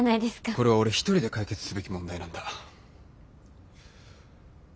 これは俺一人で解決すべき問題なんだ。